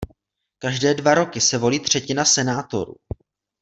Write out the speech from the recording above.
Každé dva roky se volí třetina senátorů.